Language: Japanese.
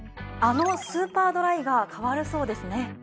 あのスーパードライが変わるそうですね。